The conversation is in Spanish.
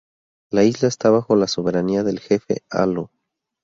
La isla esta bajo la soberanía del jefe de Alo.